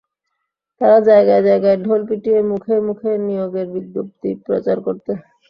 তারা জায়গায় জায়গায় ঢোল পিটিয়ে মুখে মুখে নিয়োগের বিজ্ঞপ্তি প্রচার করত।